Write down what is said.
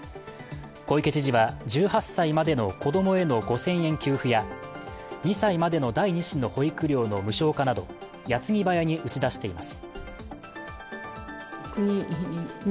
小池知事は１８歳までの子供への５０００円給付や、２歳までの第２子の保育料の無償化など矢継ぎ早に打ち出しています。